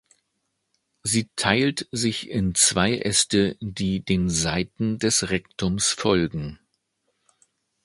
Sie teilt sich in zwei Äste, die den Seiten des Rektums folgen.